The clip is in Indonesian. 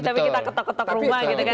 tapi kita ketok ketok rumah gitu kan